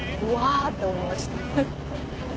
うわっ！って思いました。